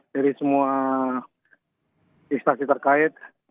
dari semua instansi terkait